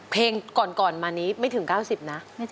เพลงก่อนมานี้ไม่ถึง๙๐นะ